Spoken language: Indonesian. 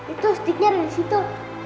itu stiknya ada di situ